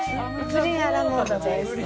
プリンア・ラ・モードです。